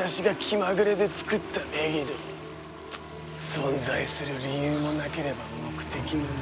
存在する理由もなければ目的もない。